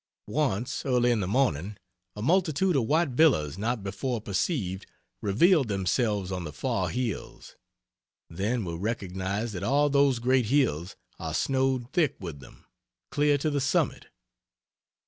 Once early in the morning, a multitude of white villas not before perceived, revealed themselves on the far hills; then we recognized that all those great hills are snowed thick with them, clear to the summit.